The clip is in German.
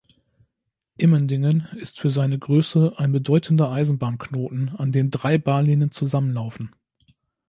Immendingen ist für seine Größe ein bedeutender Eisenbahnknoten, an dem drei Bahnlinien zusammenlaufen.